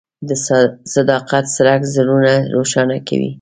د صداقت څرک زړونه روښانه کوي.